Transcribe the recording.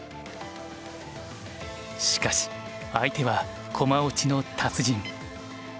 しかし相手は駒落ちの達人。